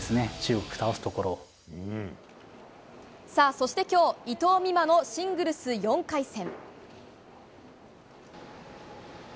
そして今日、伊藤美誠のシングルス４回戦。